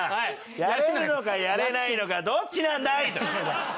やれるのかやれないのかどっちなんだい？と。